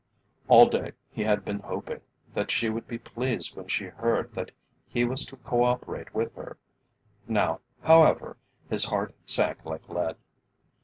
All day he had been hoping that she would be pleased when she heard that he was to co operate with her; now, however, his heart sank like lead.